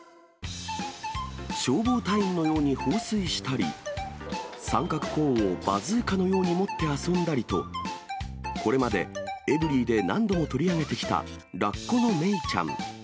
消防隊員のように、放水したり、三角コーンをバズーカのように持って遊んだりと、これまでエブリィで何度も取り上げてきた、ラッコのメイちゃん。